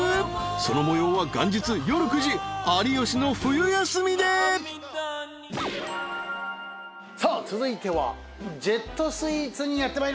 ［その模様は元日夜９時『有吉の冬休み』で！］さあ続いてはジェットスイーツにやってまいりました。